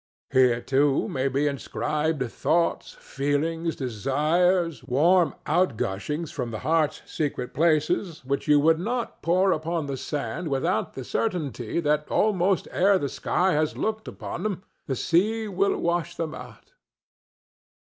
Here, too, may be inscribed thoughts, feelings, desires, warm outgushings from the heart's secret places, which you would not pour upon the sand without the certainty that almost ere the sky has looked upon them the sea will wash them out.